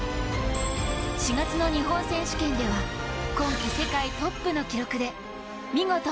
４月の日本選手権では今季世界トップの記録で見事。